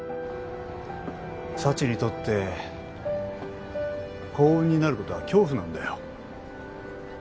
幸にとって幸運になることは恐怖なんだよ。